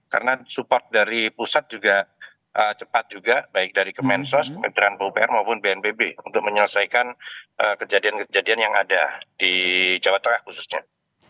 karena support dari pusat juga cepat juga baik dari kemensos kementerian pupr maupun bnpb untuk menyelesaikan kejadian kejadian yang ada di jawa tengah khususnya